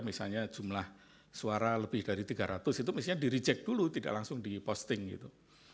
misalnya jumlah suara lebih dari tiga ratus itu misalnya di reject dulu tidak langsung diposting gitu